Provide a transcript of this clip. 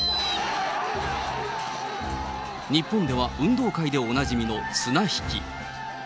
日本では運動会でおなじみの綱引き。